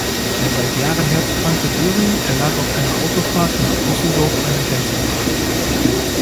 Der seit Jahren herzkranke Döring erlag auf einer Autofahrt nach Düsseldorf einem Herzinfarkt.